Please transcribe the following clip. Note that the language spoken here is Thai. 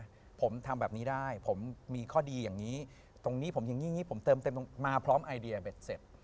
เพราะผมทำแบบนี้ได้ผมมีข้อดีอย่างนี้ผมเติมเต็มมาพร้อมไอเดียเป็นเสร็จ